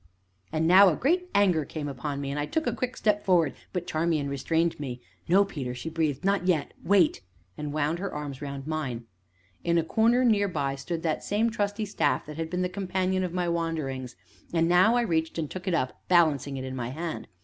And now a great anger came upon me, and I took a quick step forward, but Charmian restrained me. "No, Peter!" she breathed; "not yet wait!" and wound her arms round mine. In a corner near by stood that same trusty staff that had been the companion of my wanderings, and now I reached, and took it up, balancing it in my hand.